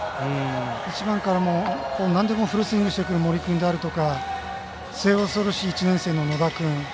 １番からなんでもフルスイングしてくる森君ですとか末恐ろしい１年生の野田君。